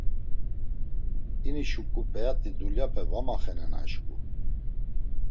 Hini şuǩu p̌eat̆i dulyape va maxenenan şǩu.